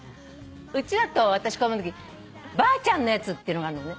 うちだと私子供のとき「ばあちゃんのやつ」っていうのがあるのね。